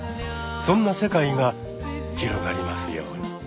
そんな世界が広がりますように。